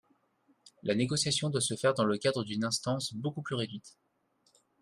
La négociation doit se faire dans le cadre d’une instance beaucoup plus réduite.